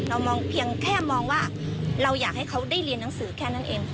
เรามองเพียงแค่มองว่าเราอยากให้เขาได้เรียนหนังสือแค่นั้นเอง